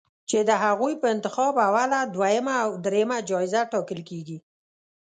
چې د هغوی په انتخاب اوله، دویمه او دریمه جایزه ټاکل کېږي